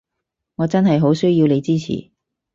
我真係好需要你支持